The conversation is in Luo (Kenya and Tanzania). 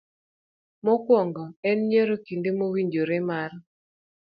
Mokwongo, en yiero kinde mowinjore mar